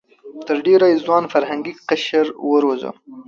تر ډېره یې ځوان فرهنګي قشر وروزه.